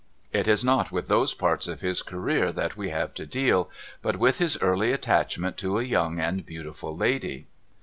It is not with those parts of his career that we have to deal ; but with his early attachment to a young and beautiful lady.'